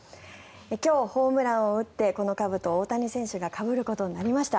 今日、ホームランを打ってこのかぶとを大谷選手がかぶることになりました。